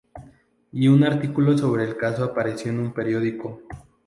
Y un artículo sobre el caso apareció en un periódico.